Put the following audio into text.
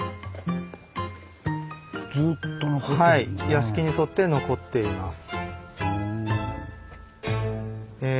屋敷に沿って残っています。